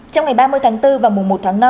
trong ngày ba mươi tháng bốn và mùa một tháng năm